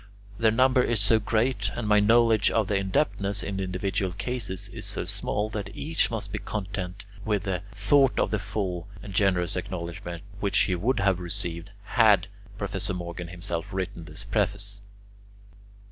Their number is so great, and my knowledge of the indebtedness in individual cases is so small, that each must be content with the thought of the full and generous acknowledgment which he would have received had Professor Morgan himself written this preface.